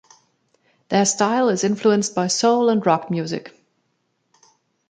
Their style is influenced by soul and rock music.